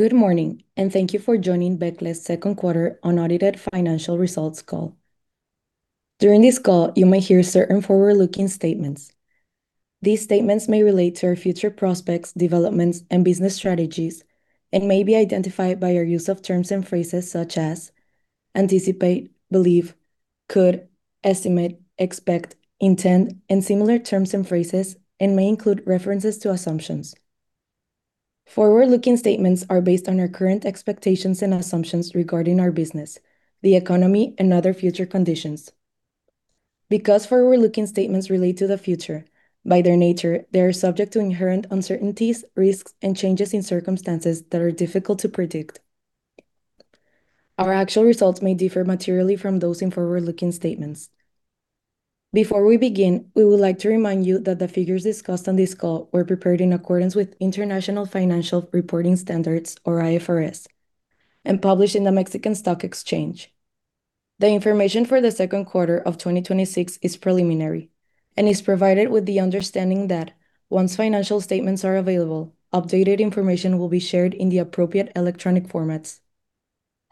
Good morning. Thank you for joining Becle's second quarter unaudited financial results call. During this call, you may hear certain forward-looking statements. These statements may relate to our future prospects, developments, and business strategies and may be identified by our use of terms and phrases such as anticipate, believe, could, estimate, expect, intend, and similar terms and phrases, and may include references to assumptions. Forward-looking statements are based on our current expectations and assumptions regarding our business, the economy, and other future conditions. Because forward-looking statements relate to the future, by their nature, they are subject to inherent uncertainties, risks, and changes in circumstances that are difficult to predict. Our actual results may differ materially from those in forward-looking statements. Before we begin, we would like to remind you that the figures discussed on this call were prepared in accordance with International Financial Reporting Standards, or IFRS, and published in the Mexican Stock Exchange. The information for the second quarter of 2026 is preliminary and is provided with the understanding that once financial statements are available, updated information will be shared in the appropriate electronic formats.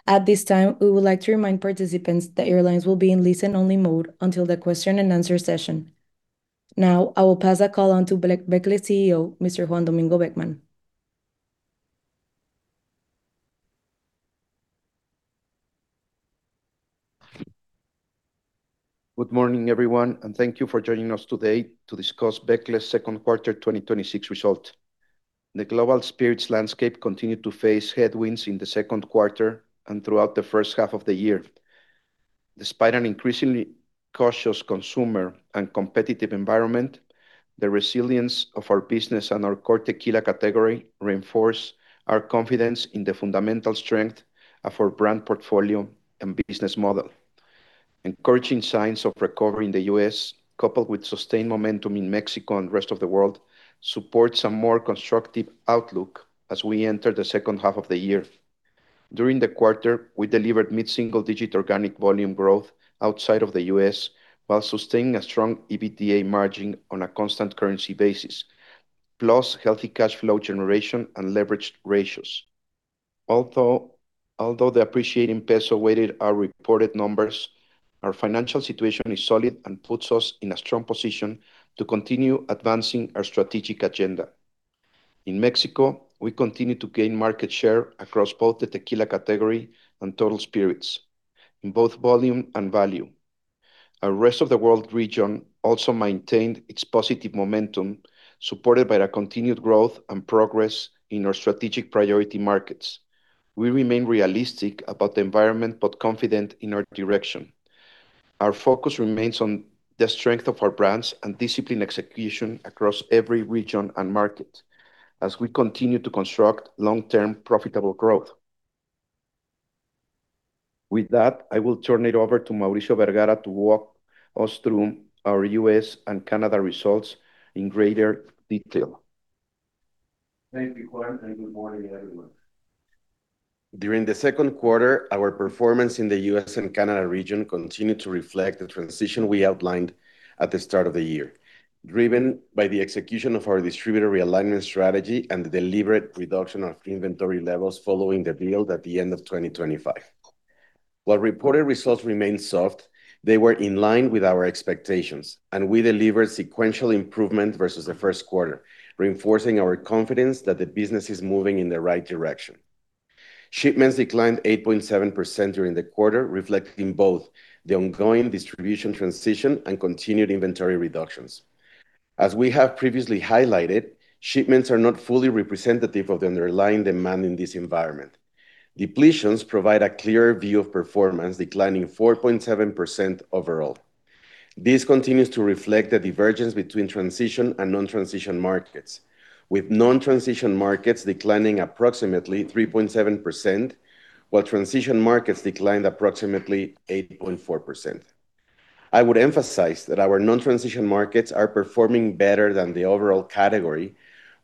At this time, we would like to remind participants that all lines will be in listen-only mode until the question and answer session. Now, I will pass the call on to Becle CEO, Mr. Juan Domingo Beckmann. Good morning, everyone. Thank you for joining us today to discuss Becle's second quarter 2026 result. The global spirits landscape continued to face headwinds in the second quarter and throughout the first half of the year. Despite an increasingly cautious consumer and competitive environment, the resilience of our business and our core tequila category reinforce our confidence in the fundamental strength of our brand portfolio and business model. Encouraging signs of recovery in the U.S., coupled with sustained momentum in Mexico and rest of the world, supports a more constructive outlook as we enter the second half of the year. During the quarter, we delivered mid-single-digit organic volume growth outside of the U.S. while sustaining a strong EBITDA margin on a constant currency basis, plus healthy cash flow generation and leveraged ratios. Although the appreciating peso weighted our reported numbers, our financial situation is solid and puts us in a strong position to continue advancing our strategic agenda. In Mexico, we continue to gain market share across both the tequila category and total spirits in both volume and value. Our rest of the world region also maintained its positive momentum, supported by our continued growth and progress in our strategic priority markets. We remain realistic about the environment but confident in our direction. Our focus remains on the strength of our brands and disciplined execution across every region and market as we continue to construct long-term profitable growth. With that, I will turn it over to Mauricio Vergara to walk us through our U.S. and Canada results in greater detail. Thank you, Juan, and good morning, everyone. During the second quarter, our performance in the U.S. and Canada region continued to reflect the transition we outlined at the start of the year, driven by the execution of our distributor realignment strategy and the deliberate reduction of inventory levels following the build at the end of 2025. While reported results remained soft, they were in line with our expectations, and we delivered sequential improvement versus the first quarter, reinforcing our confidence that the business is moving in the right direction. Shipments declined 8.7% during the quarter, reflecting both the ongoing distribution transition and continued inventory reductions. As we have previously highlighted, shipments are not fully representative of the underlying demand in this environment. Depletions provide a clearer view of performance, declining 4.7% overall. This continues to reflect the divergence between transition and non-transition markets, with non-transition markets declining approximately 3.7%, while transition markets declined approximately 8.4%. I would emphasize that our non-transition markets are performing better than the overall category,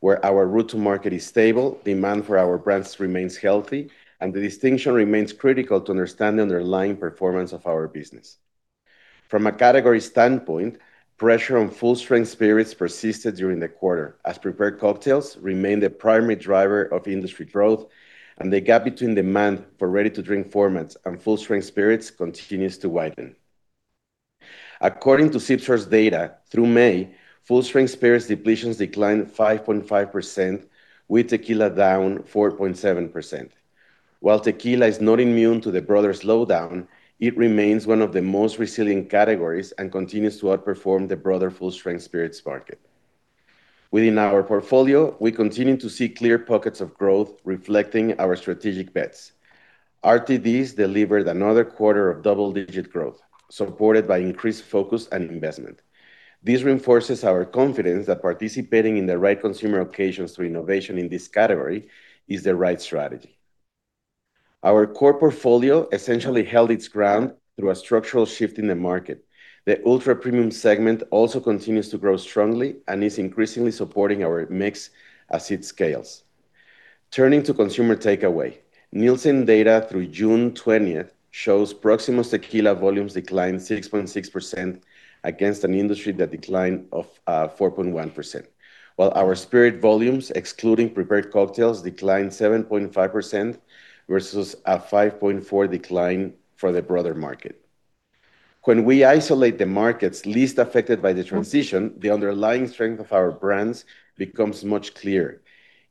where our route to market is stable, demand for our brands remains healthy, the distinction remains critical to understanding the underlying performance of our business. From a category standpoint, pressure on full-strength spirits persisted during the quarter as prepared cocktails remained the primary driver of industry growth and the gap between demand for ready-to-drink formats and full-strength spirits continues to widen. According to SipSource data, through May, full-strength spirits depletions declined 5.5%, with tequila down 4.7%. While tequila is not immune to the broader slowdown, it remains one of the most resilient categories and continues to outperform the broader full-strength spirits market. Within our portfolio, we continue to see clear pockets of growth reflecting our strategic bets. RTDs delivered another quarter of double-digit growth, supported by increased focus and investment. This reinforces our confidence that participating in the right consumer occasions through innovation in this category is the right strategy. Our core portfolio essentially held its ground through a structural shift in the market. The ultra-premium segment also continues to grow strongly and is increasingly supporting our mix as it scales. Turning to consumer takeaway, Nielsen data through June 20th shows Proximo's tequila volumes declined 6.6% against an industry decline of 4.1%, while our spirit volumes, excluding prepared cocktails, declined 7.5% versus a 5.4% decline for the broader market. When we isolate the markets least affected by the transition, the underlying strength of our brands becomes much clearer.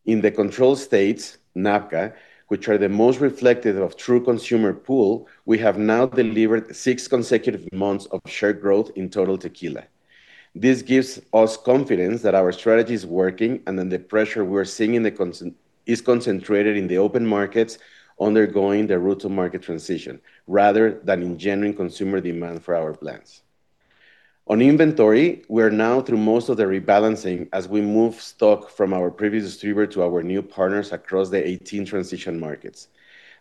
In the control states, NABCA, which are the most reflective of true consumer pool, we have now delivered six consecutive months of share growth in total tequila. This gives us confidence that our strategy is working, and that the pressure we're seeing is concentrated in the open markets undergoing the route to market transition, rather than in genuine consumer demand for our blends. On inventory, we're now through most of the rebalancing as we move stock from our previous distributor to our new partners across the 18 transition markets.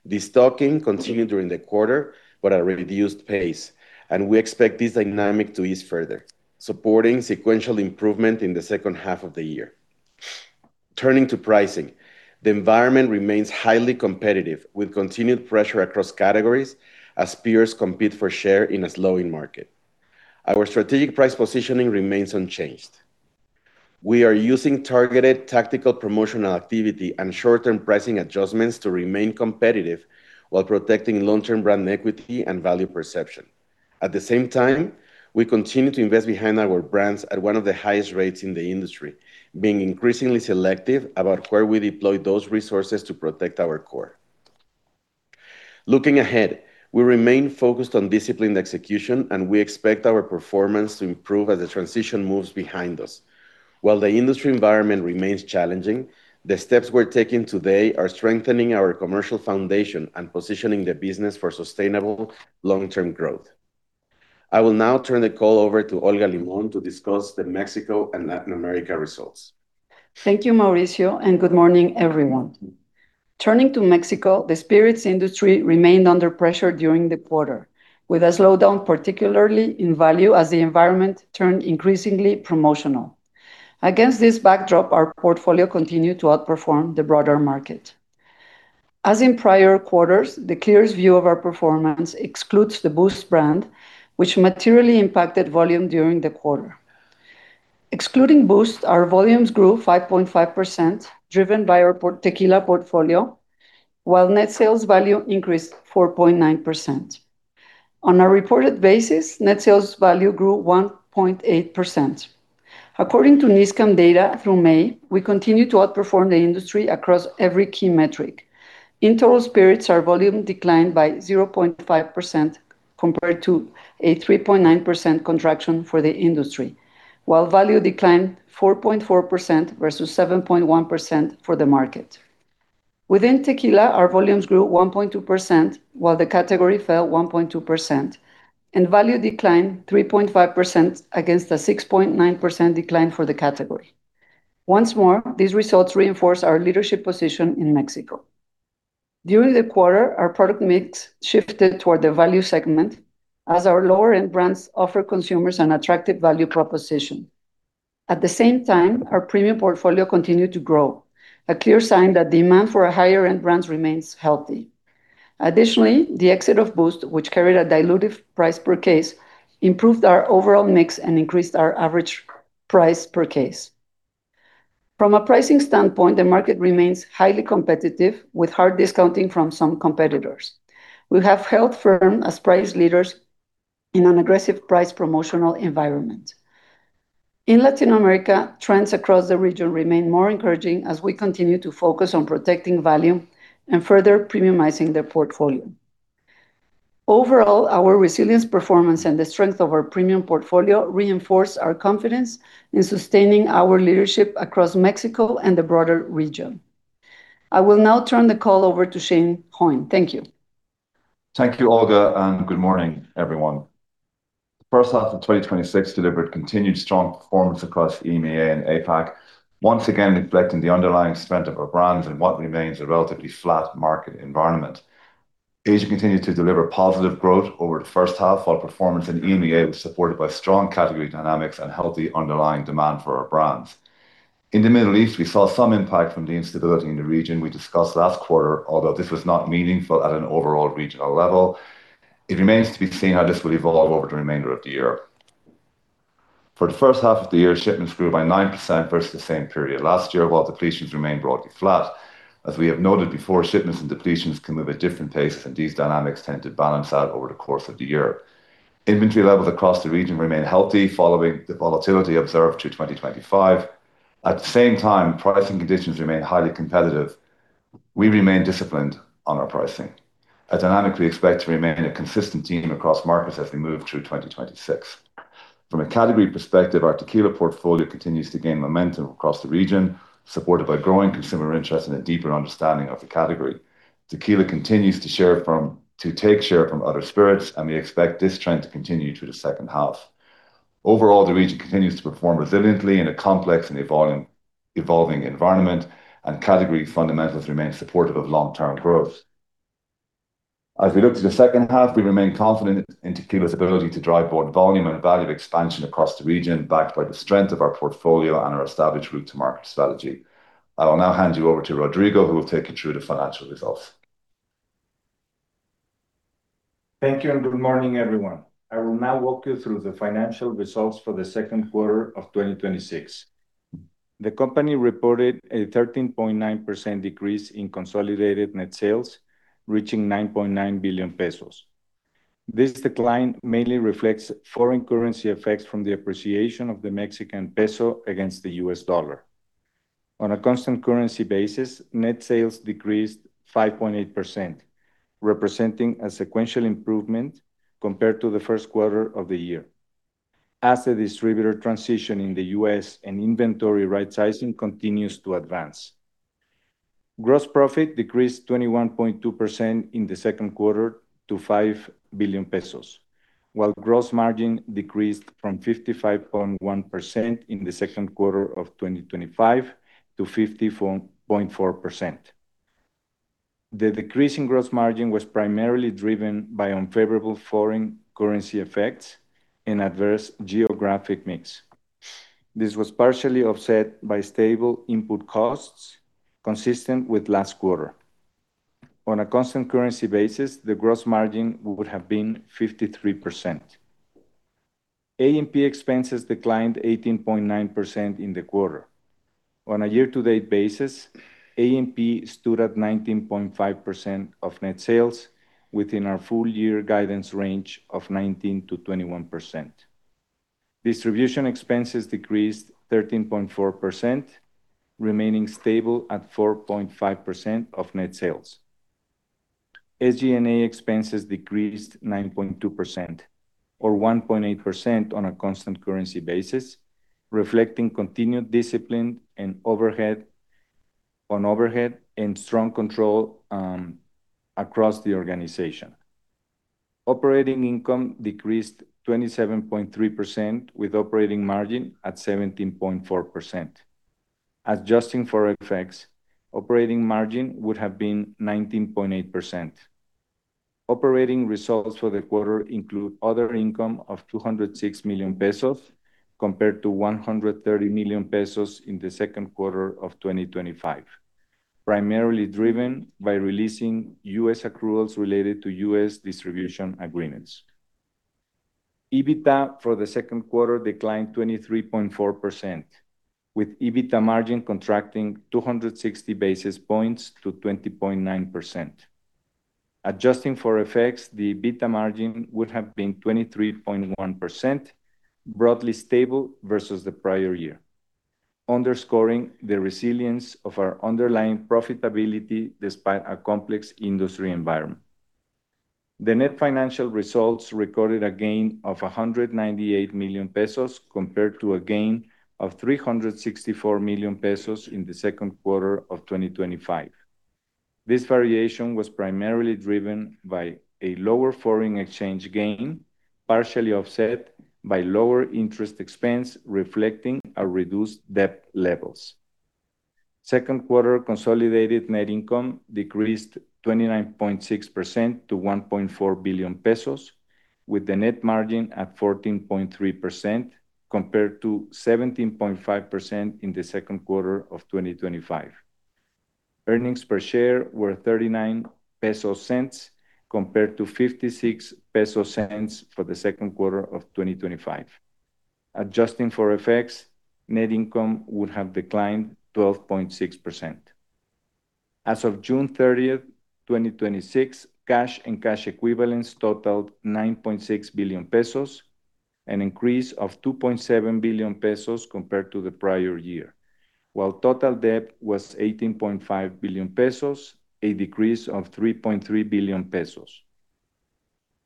This stocking continued during the quarter, but at a reduced pace, and we expect this dynamic to ease further, supporting sequential improvement in the second half of the year. Turning to pricing, the environment remains highly competitive with continued pressure across categories as peers compete for share in a slowing market. Our strategic price positioning remains unchanged. We are using targeted tactical promotional activity and short-term pricing adjustments to remain competitive while protecting long-term brand equity and value perception. At the same time, we continue to invest behind our brands at one of the highest rates in the industry, being increasingly selective about where we deploy those resources to protect our core. Looking ahead, we remain focused on disciplined execution, and we expect our performance to improve as the transition moves behind us. While the industry environment remains challenging, the steps we're taking today are strengthening our commercial foundation and positioning the business for sustainable long-term growth. I will now turn the call over to Olga Limón to discuss the Mexico and Latin America results. Thank you, Mauricio, and good morning, everyone. Turning to Mexico, the spirits industry remained under pressure during the quarter, with a slowdown, particularly in value, as the environment turned increasingly promotional. Against this backdrop, our portfolio continued to outperform the broader market. As in prior quarters, the clearest view of our performance excludes the b:oost brand, which materially impacted volume during the quarter. Excluding b:oost, our volumes grew 5.5%, driven by our tequila portfolio, while net sales value increased 4.9%. On a reported basis, net sales value grew 1.8%. According to Nielsen data through May, we continue to outperform the industry across every key metric. In total spirits, our volume declined by 0.5% compared to a 3.9% contraction for the industry. Value declined 4.4% versus 7.1% for the market. Within tequila, our volumes grew 1.2%, while the category fell 1.2%, and value declined 3.5% against a 6.9% decline for the category. Once more, these results reinforce our leadership position in Mexico. During the quarter, our product mix shifted toward the value segment as our lower-end brands offer consumers an attractive value proposition. At the same time, our premium portfolio continued to grow, a clear sign that demand for our higher-end brands remains healthy. Additionally, the exit of b:oost, which carried a dilutive price per case, improved our overall mix and increased our average price per case. From a pricing standpoint, the market remains highly competitive with hard discounting from some competitors. We have held firm as price leaders in an aggressive price promotional environment. In Latin America, trends across the region remain more encouraging as we continue to focus on protecting value and further premiumizing the portfolio. Overall, our resilience, performance, and the strength of our premium portfolio reinforce our confidence in sustaining our leadership across Mexico and the broader region. I will now turn the call over to Shane Hoyne. Thank you. Thank you, Olga, and good morning, everyone. The first half of 2026 delivered continued strong performance across EMEA and APAC, once again reflecting the underlying strength of our brands in what remains a relatively flat market environment. Asia continued to deliver positive growth over the first half, while performance in EMEA was supported by strong category dynamics and healthy underlying demand for our brands. In the Middle East, we saw some impact from the instability in the region we discussed last quarter. Although this was not meaningful at an overall regional level, it remains to be seen how this will evolve over the remainder of the year. For the first half of the year, shipments grew by 9% versus the same period last year, while depletions remained broadly flat. As we have noted before, shipments and depletions can move at different paces, and these dynamics tend to balance out over the course of the year. Inventory levels across the region remain healthy following the volatility observed through 2025. At the same time, pricing conditions remain highly competitive. We remain disciplined on our pricing. A dynamic we expect to remain a consistent theme across markets as we move through 2026. From a category perspective, our tequila portfolio continues to gain momentum across the region, supported by growing consumer interest and a deeper understanding of the category. Tequila continues to take share from other spirits, and we expect this trend to continue through the second half. Overall, the region continues to perform resiliently in a complex and evolving environment, and category fundamentals remain supportive of long-term growth. As we look to the second half, we remain confident in tequila's ability to drive both volume and value expansion across the region, backed by the strength of our portfolio and our established route to market strategy. I will now hand you over to Rodrigo, who will take you through the financial results. Thank you, and good morning, everyone. I will now walk you through the financial results for the second quarter of 2026 The company reported a 13.9% decrease in consolidated net sales, reaching 9.9 billion pesos. This decline mainly reflects foreign currency effects from the appreciation of the Mexican peso against the U.S. dollar. On a constant currency basis, net sales decreased 5.8%, representing a sequential improvement compared to the first quarter of the year, as the distributor transition in the U.S. and inventory rightsizing continues to advance. Gross profit decreased 21.2% in the second quarter to 5 billion pesos, while gross margin decreased from 55.1% in the second quarter of 2025 to 50.4%. The decrease in gross margin was primarily driven by unfavorable foreign currency effects and adverse geographic mix. This was partially offset by stable input costs consistent with last quarter. On a constant currency basis, the gross margin would have been 53%. A&P expenses declined 18.9% in the quarter. On a year-to-date basis, A&P stood at 19.5% of net sales within our full year guidance range of 19%-21%. Distribution expenses decreased 13.4%, remaining stable at 4.5% of net sales. SG&A expenses decreased 9.2%, or 1.8% on a constant currency basis, reflecting continued discipline on overhead and strong control across the organization. Operating income decreased 27.3%, with operating margin at 17.4%. Adjusting for FX, operating margin would have been 19.8%. Operating results for the quarter include other income of 206 million pesos compared to 130 million pesos in the second quarter of 2025, primarily driven by releasing U.S. accruals related to U.S. distribution agreements. EBITDA for the second quarter declined 23.4%, with EBITDA margin contracting 260 basis points to 20.9%. Adjusting for FX, the EBITDA margin would have been 23.1%, broadly stable versus the prior year, underscoring the resilience of our underlying profitability despite a complex industry environment. The net financial results recorded a gain of 198 million pesos compared to a gain of 364 million pesos in the second quarter of 2025. This variation was primarily driven by a lower foreign exchange gain, partially offset by lower interest expense, reflecting a reduced debt levels. Second quarter consolidated net income decreased 29.6% to 1.4 billion pesos, with the net margin at 14.3% compared to 17.5% in the second quarter of 2025. Earnings per share were 0.39 compared to 0.56 for the second quarter of 2025. Adjusting for FX, net income would have declined 12.6%. As of June 30th, 2026, cash and cash equivalents totaled 9.6 billion pesos, an increase of 2.7 billion pesos compared to the prior year. While total debt was 18.5 billion pesos, a decrease of 3.3 billion pesos.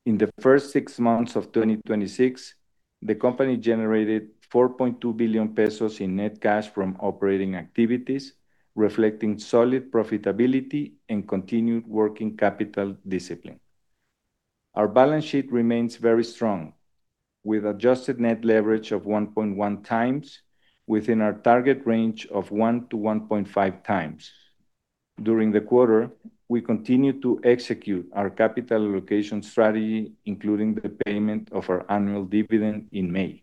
In the first six months of 2026, the company generated 4.2 billion pesos in net cash from operating activities, reflecting solid profitability and continued working capital discipline. Our balance sheet remains very strong, with adjusted net leverage of 1.1x within our target range of 1-1.5x. During the quarter, we continued to execute our capital allocation strategy, including the payment of our annual dividend in May.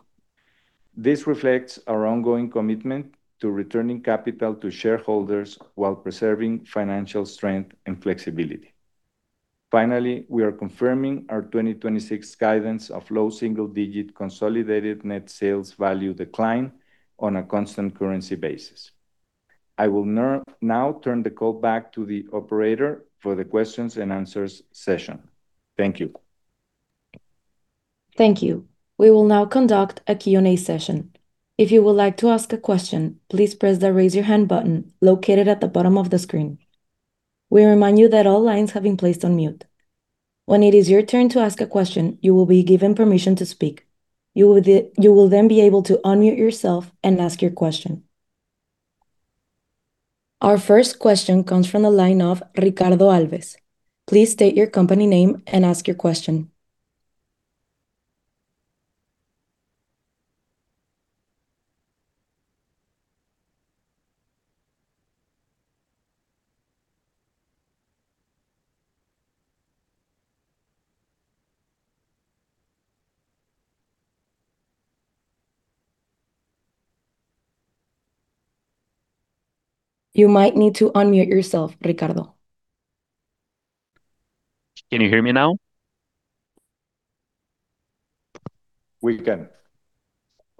This reflects our ongoing commitment to returning capital to shareholders while preserving financial strength and flexibility. Finally, we are confirming our 2026 guidance of low single-digit consolidated net sales value decline on a constant currency basis. I will now turn the call back to the operator for the questions and answers session. Thank you. Thank you. We will now conduct a Q&A session. If you would like to ask a question, please press the Raise Your Hand button located at the bottom of the screen. We remind you that all lines have been placed on mute. When it is your turn to ask a question, you will be given permission to speak. You will then be able to unmute yourself and ask your question. Our first question comes from the line of Ricardo Alves. Please state your company name and ask your question. You might need to unmute yourself, Ricardo. Can you hear me now? We can.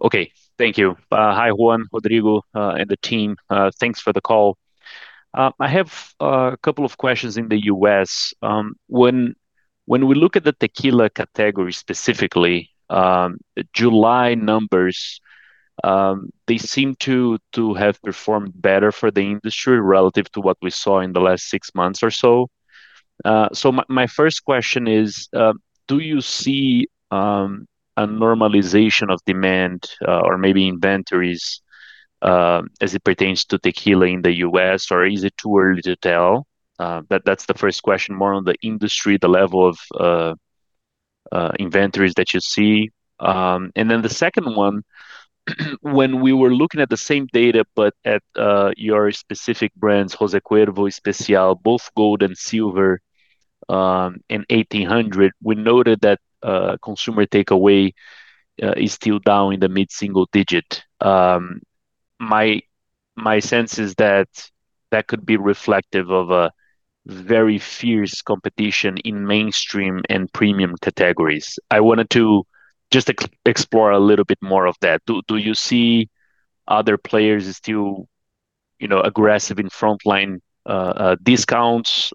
Okay. Thank you. Hi, Juan, Rodrigo, and the team. Thanks for the call. I have a couple of questions in the U.S. When we look at the tequila category specifically, July numbers seem to have performed better for the industry relative to what we saw in the last six months or so. My first question is, do you see a normalization of demand, or maybe inventories as it pertains to tequila in the U.S., or is it too early to tell? That's the first question, more on the industry, the level of inventories that you see. The second one, when we were looking at the same data, but at your specific brands, Jose Cuervo Especial, both gold and silver, and 1800, we noted that consumer takeaway is still down in the mid-single digit. My sense is that could be reflective of a very fierce competition in mainstream and premium categories. I wanted to just explore a little bit more of that. Do you see other players still aggressive in frontline discounts,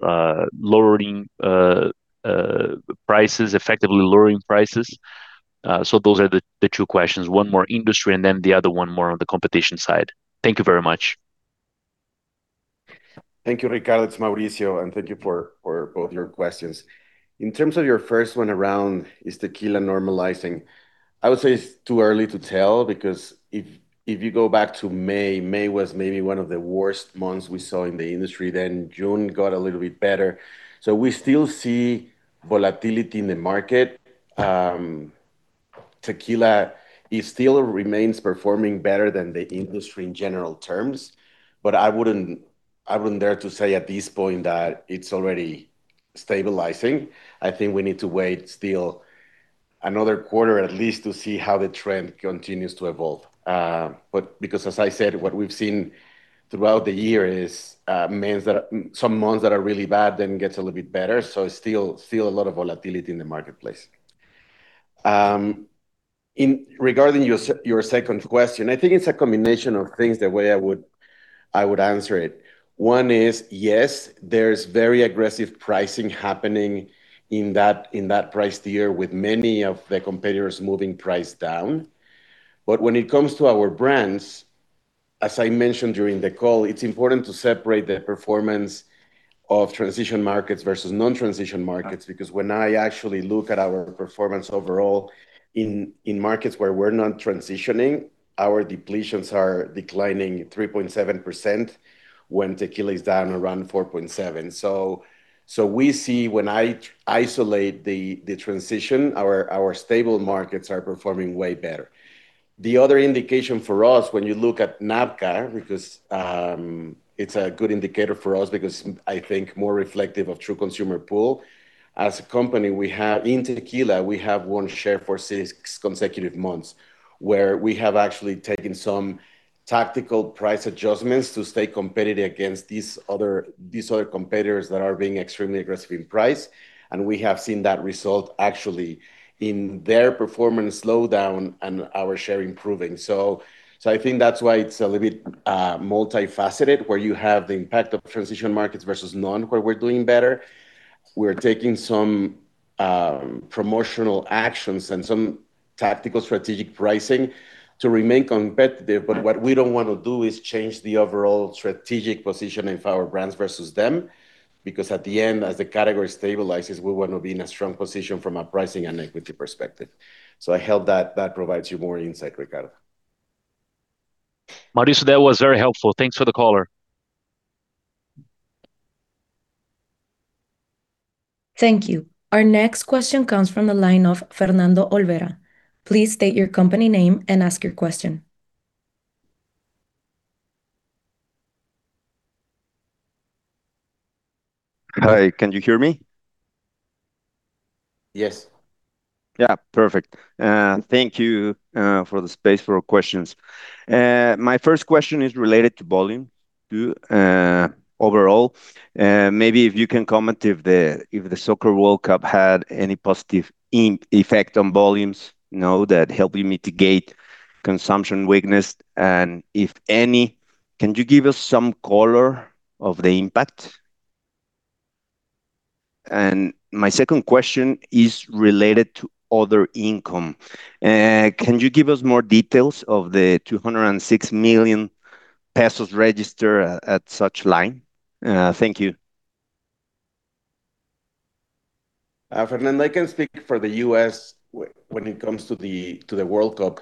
effectively lowering prices? Those are the two questions, one more industry and then the other one more on the competition side. Thank you very much. Thank you, Ricardo. It's Mauricio, and thank you for both your questions. In terms of your first one around, is tequila normalizing? I would say it's too early to tell, because if you go back to May was maybe one of the worst months we saw in the industry, then June got a little bit better. We still see volatility in the market. Tequila still remains performing better than the industry in general terms. I wouldn't dare to say at this point that it's already stabilizing. I think we need to wait still another quarter at least to see how the trend continues to evolve. Because as I said, what we've seen throughout the year is some months that are really bad then gets a little bit better. Still a lot of volatility in the marketplace. Regarding your second question, I think it's a combination of things, the way I would answer it. One is, yes, there's very aggressive pricing happening in that price tier, with many of the competitors moving price down. When it comes to our brands, as I mentioned during the call, it's important to separate the performance of transition markets versus non-transition markets. When I actually look at our performance overall in markets where we're not transitioning, our depletions are declining 3.7% when tequila is down around 4.7%. We see when I isolate the transition, our stable markets are performing way better. The other indication for us when you look at NABCA, because it's a good indicator for us, because I think more reflective of true consumer pool. As a company, in tequila, we have won share for six consecutive months, where we have actually taken some tactical price adjustments to stay competitive against these other competitors that are being extremely aggressive in price. We have seen that result actually in their performance slow down and our share improving. I think that's why it's a little bit multifaceted, where you have the impact of transition markets versus none, where we're doing better. We're taking some promotional actions and some tactical strategic pricing to remain competitive. What we don't want to do is change the overall strategic position of our brands versus them, because at the end, as the category stabilizes, we want to be in a strong position from a pricing and equity perspective. I hope that provides you more insight, Ricardo. Mauricio, that was very helpful. Thanks for the color. Thank you. Our next question comes from the line of Fernando Olvera. Please state your company name and ask your question. Hi, can you hear me? Yes. Yeah, perfect. Thank you for the space for questions. My first question is related to volume too. Overall, maybe if you can comment if the FIFA World Cup had any positive effect on volumes that helped you mitigate consumption weakness, and if any, can you give us some color of the impact? My second question is related to other income. Can you give us more details of the 206 million pesos registered at such line? Thank you. Fernando, I can speak for the U.S. when it comes to the World Cup.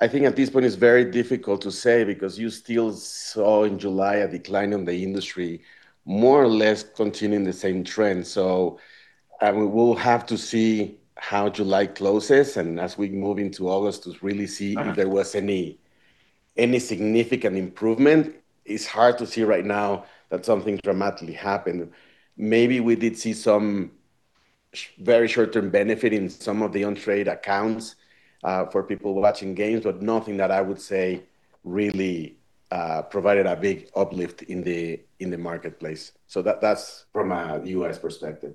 I think at this point, it's very difficult to say because you still saw in July a decline in the industry, more or less continuing the same trend. We will have to see how July closes, and as we move into August, to really see if there was any significant improvement. It's hard to see right now that something dramatically happened. Maybe we did see some very short-term benefit in some of the on-trade accounts for people watching games, but nothing that I would say Really provided a big uplift in the marketplace. That's from a U.S. perspective.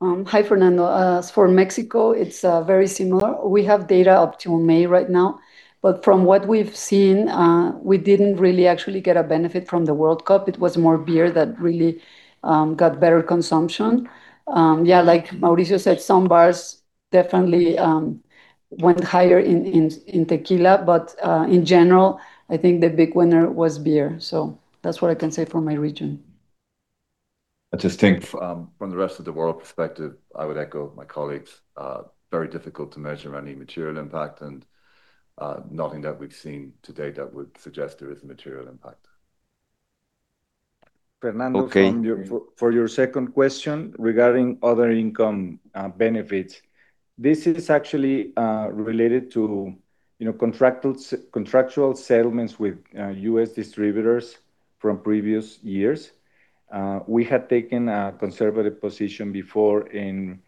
Hi, Fernando. As for Mexico, it's very similar. We have data up to May right now, but from what we've seen, we didn't really actually get a benefit from the World Cup. It was more beer that really got better consumption. Yeah, like Mauricio said, some bars definitely went higher in tequila. In general, I think the big winner was beer. That's what I can say for my region. I just think from the rest-of-the-world perspective, I would echo my colleagues. Very difficult to measure any material impact and nothing that we've seen to date that would suggest there is a material impact. Fernando Okay For your second question regarding other income benefits, this is actually related to contractual settlements with U.S. distributors from previous years. We had taken a conservative position before and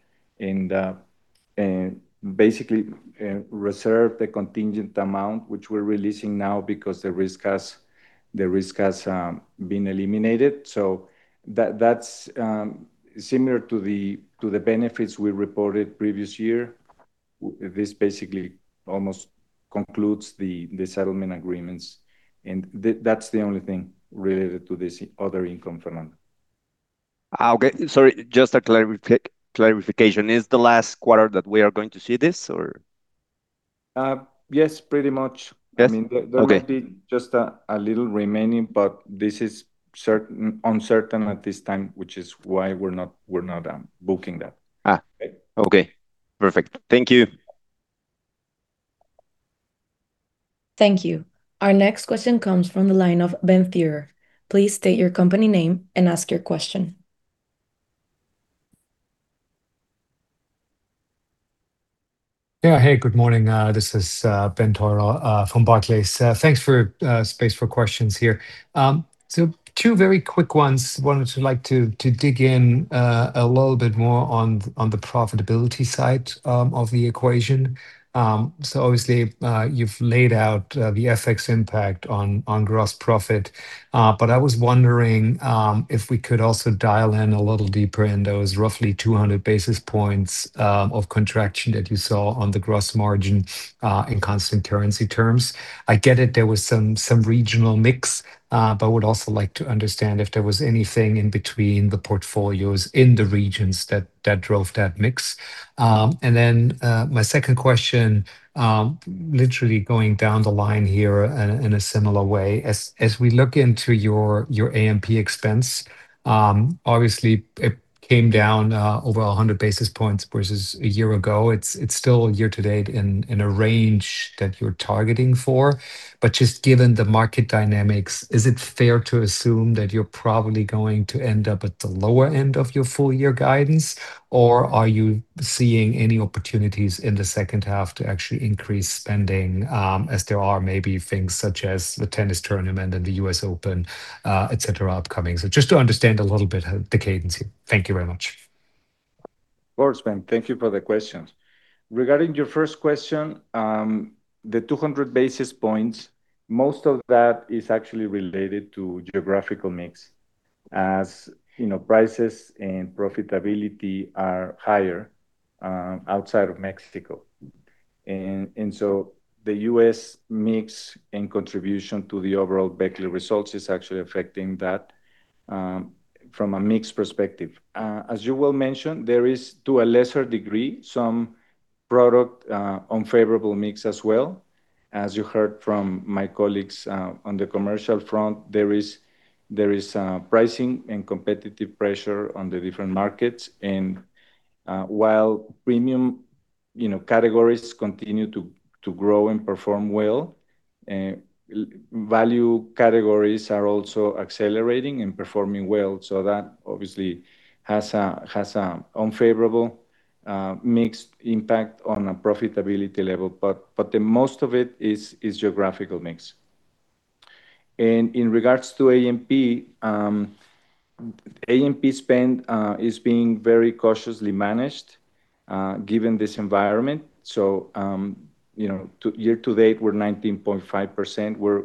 basically reserved the contingent amount, which we're releasing now because the risk has been eliminated. That's similar to the benefits we reported previous year. This basically almost concludes the settlement agreements, and that's the only thing related to this other income, Fernando. Okay. Sorry, just a clarification. Is the last quarter that we are going to see this or? Yes, pretty much. Yes? Okay. There might be just a little remaining, but this is uncertain at this time, which is why we're not booking that. Okay, perfect. Thank you. Thank you. Our next question comes from the line of Ben Theurer. Please state your company name and ask your question. Yeah. Hey, good morning. This is Ben Theurer from Barclays. Thanks for space for questions here. Two very quick ones. Wanted to like to dig in a little bit more on the profitability side of the equation. Obviously, you've laid out the FX impact on gross profit. I was wondering if we could also dial in a little deeper in those roughly 200 basis points of contraction that you saw on the gross margin, in constant currency terms. I get it, there was some regional mix. I would also like to understand if there was anything in between the portfolios in the regions that drove that mix. My second question, literally going down the line here in a similar way is, as we look into your A&P expense, obviously, it came down over 100 basis points versus a year ago. It's still year to date in a range that you're targeting for. Just given the market dynamics, is it fair to assume that you're probably going to end up at the lower end of your full year guidance? Or are you seeing any opportunities in the second half to actually increase spending, as there are maybe things such as the tennis tournament and the US Open, et cetera, upcoming? Just to understand a little bit the cadence here. Thank you very much. Of course, Ben. Thank you for the questions. Regarding your first question, the 200 basis points, most of that is actually related to geographical mix. As you know, prices and profitability are higher outside of Mexico. The U.S. mix and contribution to the overall Becle results is actually affecting that from a mix perspective. As you well mentioned, there is, to a lesser degree, some product unfavorable mix as well. As you heard from my colleagues on the commercial front, there is pricing and competitive pressure on the different markets. While premium categories continue to grow and perform well, value categories are also accelerating and performing well. That obviously has a unfavorable mixed impact on a profitability level. The most of it is geographical mix. In regards to A&P, A&P spend is being very cautiously managed, given this environment. Year to date, we're 19.5%. We're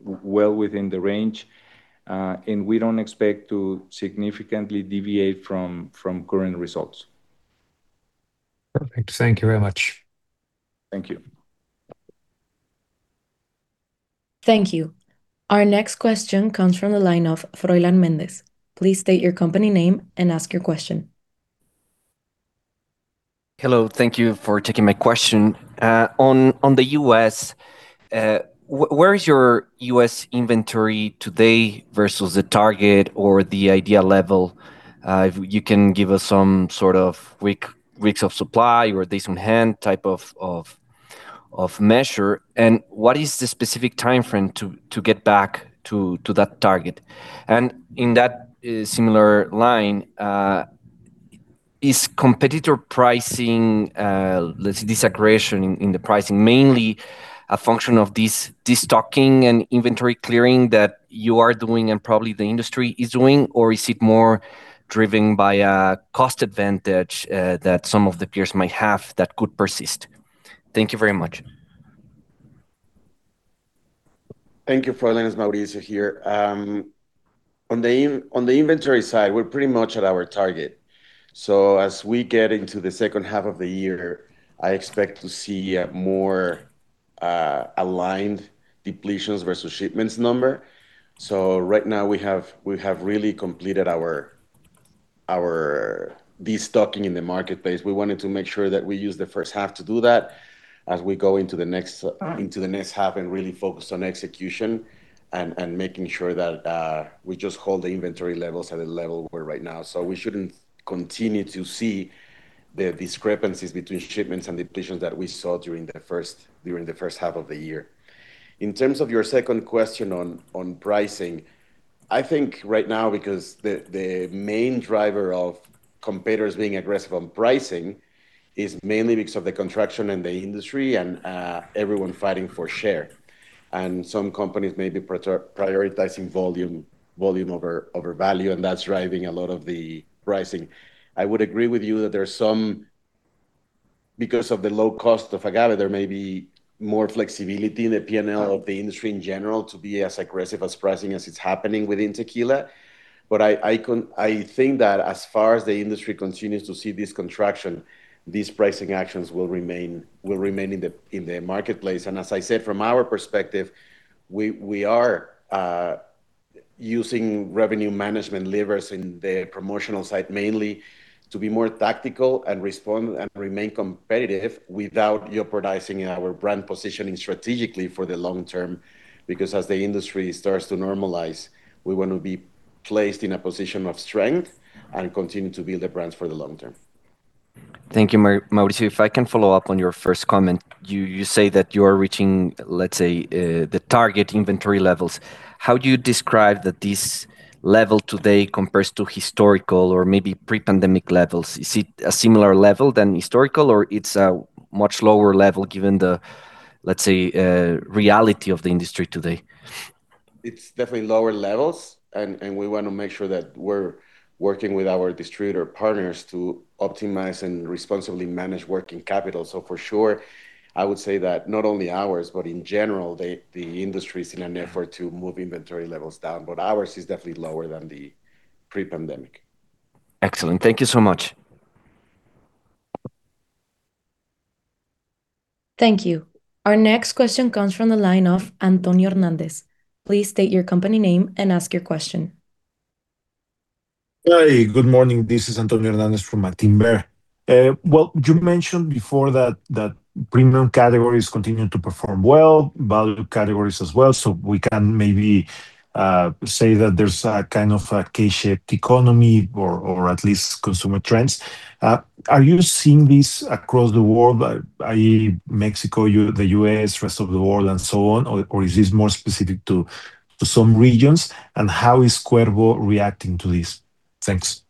well within the range. We don't expect to significantly deviate from current results. Perfect. Thank you very much. Thank you. Thank you. Our next question comes from the line of Froylan Mendez. Please state your company name and ask your question. Hello. Thank you for taking my question. On the U.S., where is your U.S. inventory today versus the target or the ideal level? If you can give us some sort of weeks of supply or days on hand type of measure. What is the specific timeframe to get back to that target? In that similar line, is competitor pricing, let's say, disaggregation in the pricing mainly a function of this destocking and inventory clearing that you are doing and probably the industry is doing, or is it more driven by a cost advantage that some of the peers might have that could persist? Thank you very much. Thank you for the line. It is Mauricio here. On the inventory side, we are pretty much at our target. As we get into the second half of the year, I expect to see a more aligned depletions versus shipments number. Right now we have really completed our destocking in the marketplace. We wanted to make sure that we use the first half to do that as we go into the next half and really focus on execution and making sure that we just hold the inventory levels at a level we are right now. We shouldn't continue to see the discrepancies between shipments and depletions that we saw during the first half of the year. In terms of your second question on pricing, I think right now because the main driver of competitors being aggressive on pricing is mainly because of the contraction in the industry and everyone fighting for share. Some companies may be prioritizing volume over value, and that's driving a lot of the pricing. I would agree with you that because of the low cost of agave, there may be more flexibility in the P&L of the industry in general to be as aggressive as pricing as it's happening within tequila. I think that as far as the industry continues to see this contraction, these pricing actions will remain in the marketplace. As I said, from our perspective, we are using revenue management levers in the promotional side mainly to be more tactical and respond and remain competitive without jeopardizing our brand positioning strategically for the long term, because as the industry starts to normalize, we want to be placed in a position of strength and continue to build the brands for the long term. Thank you, Mauricio. If I can follow up on your first comment, you say that you are reaching, let's say, the target inventory levels. How do you describe that this level today compares to historical or maybe pre-pandemic levels? Is it a similar level than historical, or it's a much lower level given the, let's say, reality of the industry today? It's definitely lower levels, and we want to make sure that we're working with our distributor partners to optimize and responsibly manage working capital. For sure, I would say that not only ours, but in general, the industry's in an effort to move inventory levels down, but ours is definitely lower than the pre-pandemic. Excellent. Thank you so much. Thank you. Our next question comes from the line of Antonio Hernandez. Please state your company name and ask your question. Hi. Good morning. This is Antonio Hernandez from Actinver. Well, you mentioned before that premium categories continue to perform well, value categories as well, so we can maybe say that there's a kind of a K-shaped economy or at least consumer trends. Are you seeing this across the world, i.e., Mexico, the U.S., rest of the world, and so on, or is this more specific to some regions? How is Cuervo reacting to this? Thanks.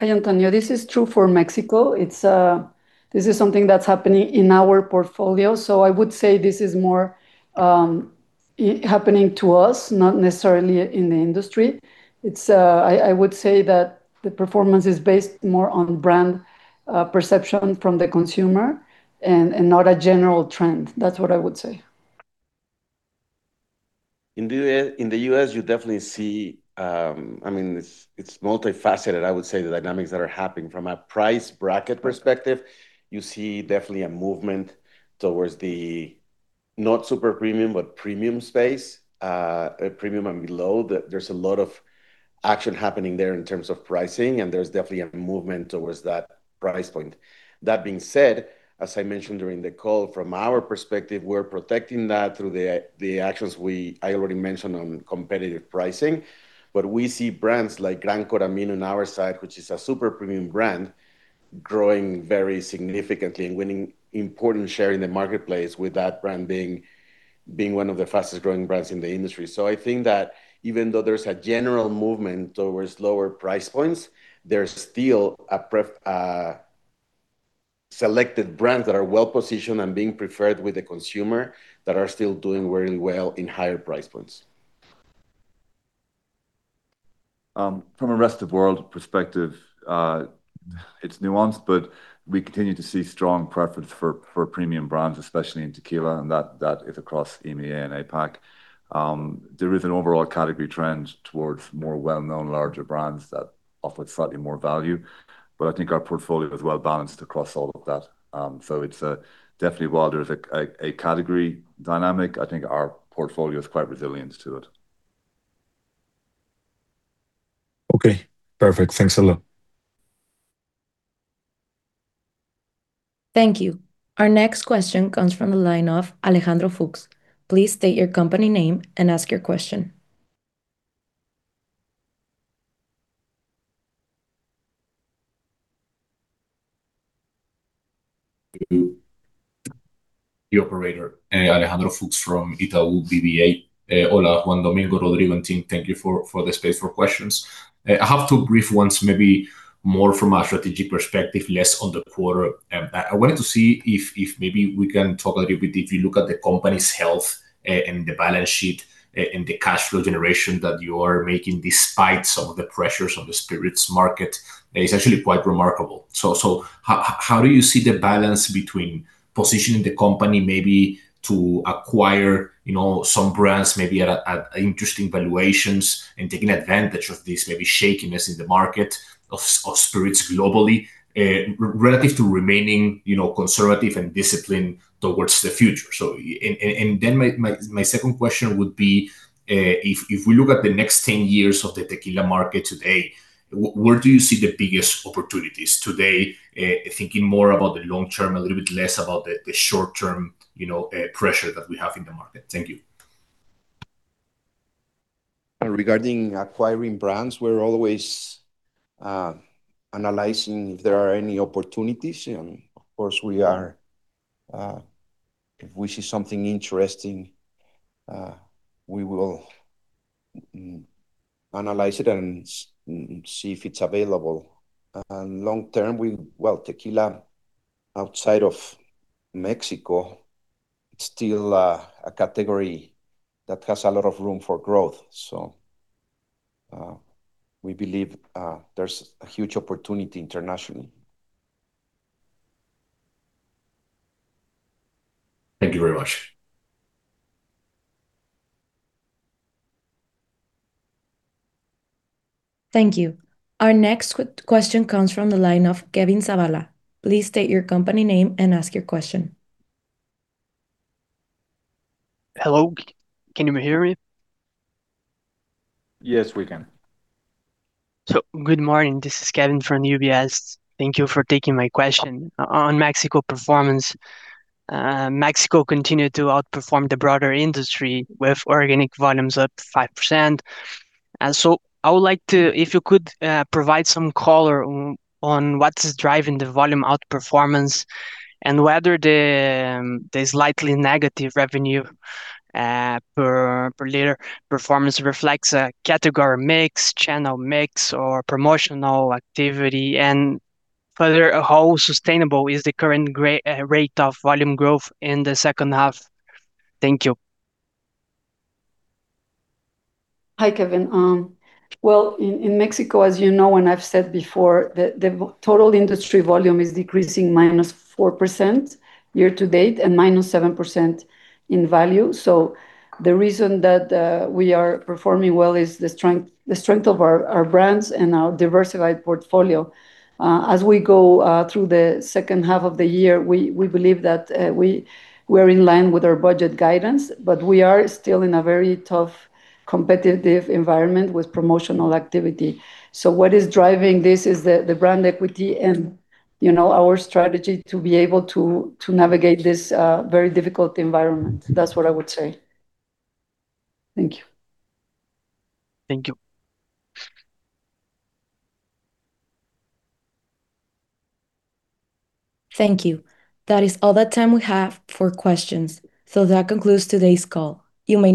Hi, Antonio. This is true for Mexico. This is something that's happening in our portfolio. I would say this is more happening to us, not necessarily in the industry. I would say that the performance is based more on brand perception from the consumer and not a general trend. That's what I would say. In the U.S., you definitely see I mean, it's multifaceted, I would say, the dynamics that are happening. From a price bracket perspective, you see definitely a movement towards the not super premium, but premium space, premium and below. There's a lot of action happening there in terms of pricing, There's definitely a movement towards that price point. That being said, as I mentioned during the call, from our perspective, we're protecting that through the actions I already mentioned on competitive pricing. We see brands like Gran Coramino on our side, which is a super premium brand, growing very significantly and winning important share in the marketplace with that brand being one of the fastest-growing brands in the industry. I think that even though there's a general movement towards lower price points, there's still selected brands that are well-positioned and being preferred with the consumer that are still doing really well in higher price points. From a rest-of-world perspective, it's nuanced, We continue to see strong preference for premium brands, especially in tequila, That is across EMEA and APAC. There is an overall category trend towards more well-known, larger brands that offer slightly more value, I think our portfolio is well-balanced across all of that. It's definitely, while there's a category dynamic, I think our portfolio is quite resilient to it. Okay, perfect. Thanks a lot. Thank you. Our next question comes from the line of Alejandro Fuchs. Please state your company name and ask your question. The operator, Alejandro Fuchs from Itaú BBA. Hola, Juan Domingo, Rodrigo and team. Thank you for the space for questions. I have two brief ones, maybe more from a strategic perspective, less on the quarter. I wanted to see if maybe we can talk a little bit, if you look at the company's health and the balance sheet and the cash flow generation that you are making, despite some of the pressures on the spirits market, it's actually quite remarkable. How do you see the balance between positioning the company maybe to acquire some brands, maybe at interesting valuations, and taking advantage of this maybe shakiness in the market of spirits globally, relative to remaining conservative and disciplined towards the future? My second question would be, if we look at the next 10 years of the tequila market today, where do you see the biggest opportunities today? Thinking more about the long term, a little bit less about the short-term pressure that we have in the market. Thank you. Regarding acquiring brands, we're always analyzing if there are any opportunities. Of course, if we see something interesting, we will analyze it and see if it's available. Long term, well, tequila, outside of Mexico, it's still a category that has a lot of room for growth, so we believe there's a huge opportunity internationally. Thank you very much. Thank you. Our next question comes from the line of Kevin Zavala. Please state your company name and ask your question. Hello, can you hear me? Yes, we can. Good morning. This is Kevin from UBS. Thank you for taking my question. On Mexico performance, Mexico continued to outperform the broader industry with organic volumes up 5%. I would like to, if you could, provide some color on what is driving the volume outperformance, and whether the slightly negative revenue per liter performance reflects a category mix, channel mix, or promotional activity. Further, how sustainable is the current rate of volume growth in the second half? Thank you. Hi, Kevin. In Mexico, as you know, and I've said before, the total industry volume is decreasing -4% year to date and -7% in value. The reason that we are performing well is the strength of our brands and our diversified portfolio. As we go through the second half of the year, we believe that we're in line with our budget guidance, we are still in a very tough, competitive environment with promotional activity. What is driving this is the brand equity and our strategy to be able to navigate this very difficult environment. That's what I would say. Thank you. Thank you. Thank you. That is all the time we have for questions. That concludes today's call.